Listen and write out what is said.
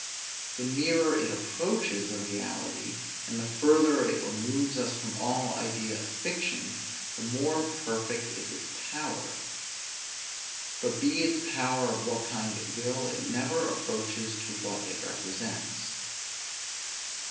The nearer it approaches the reality, and the further it removes us from all idea of fiction, the more perfect is its power. But be its power of what kind it will, it never approaches to what it represents.